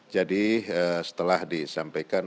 jadi setelah disampaikan